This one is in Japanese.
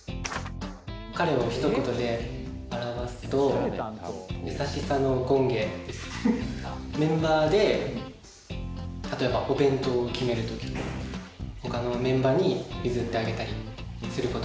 彼をひと言で表すとメンバーで例えばお弁当を決める時とかほかのメンバーに譲ってあげたりすることが多いと思います。